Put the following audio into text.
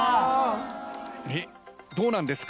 どうなんですか？